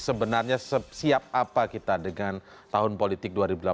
sebenarnya siap apa kita dengan tahun politik dua ribu delapan belas